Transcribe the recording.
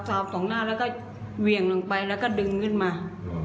สอบตรงหน้าแล้วก็เหวี่ยงลงไปแล้วก็ดึงขึ้นมา